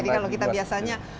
jadi kalau kita biasanya